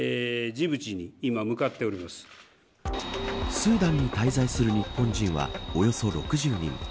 スーダンに滞在する日本人はおよそ６０人。